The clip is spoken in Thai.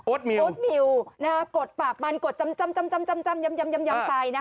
โอ๊ตมิวนะครับกดปากมันกดจำใส่นะ